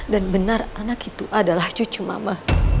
dan benar anak itu adalah cucu mama